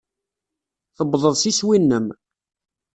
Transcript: Tuwḍeḍ s iswi-nnem.